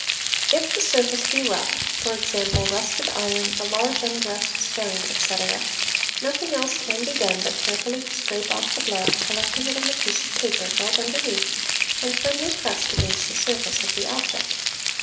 4: If the surface be rough, for example, rusted iron, a large undressed stone, etc., nothing else can be done but carefully to scrape off the blood, collecting it in a piece of paper held underneath and firmly pressed against the surface of the object.